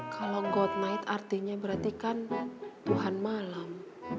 kalau got night artinya berarti kan tuhan malam